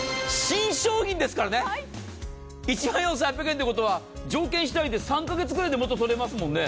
新商品ですから１万４８００円ということは条件次第で３カ月くらいで元取れますもんね。